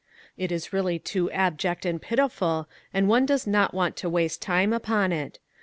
It is really too abject and pitiful, and one does not want to waste time upon it.